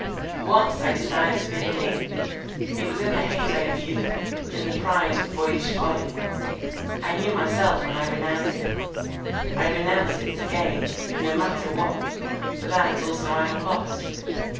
"Once I desired to be a king. It was in the hey day of youth, in the pride of boyish folly. I knew myself when I renounced it. I renounced it to gain —no matter what—for that also I have lost.